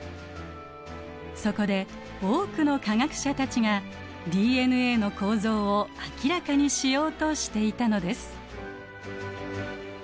そこで多くの科学者たちがＤＮＡの構造を明らかにしようとしていたのです。